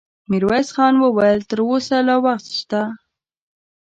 ميرويس خان وويل: تر اوسه لا وخت شته.